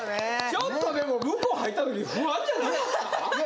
ちょっとでも向こう入ったとき不安じゃなかった？